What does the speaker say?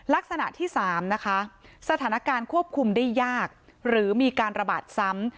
ลักษณะที่๓นะคะสถานการณ์ควบคุมได้ยากหรือมีการระบาดซ้ำ